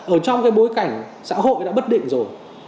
ở trong cái bối cảnh xã hội đã bất định rồi